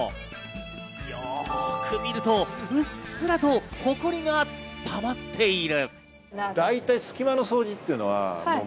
よく見ると、うっすらっとホコリがたまっている。